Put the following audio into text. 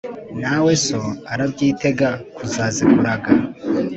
na we so arabyitega kuzazikuraga.